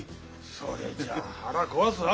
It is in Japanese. それじゃ腹壊すわけだ。